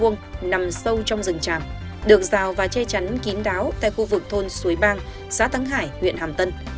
nằm sâu trong rừng tràm được rào và che chắn kín đáo tại khu vực thôn suối bang xã thắng hải huyện hàm tân